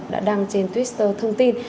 đã đăng trên twitter thông tin